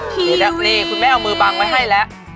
คุณแม่เอามือปากไม่ให้แล้ว